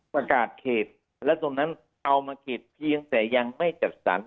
ประกาศเขตและตรงนั้นเอามาเขตเพียงแต่ยังไม่จัดสรร